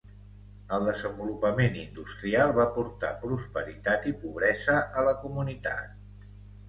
El desenvolupament industrial va portar prosperitat i pobresa a la comunitat.